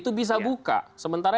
tidak ada masalah